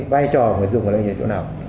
vai trò người tiêu dùng ở đây là chỗ nào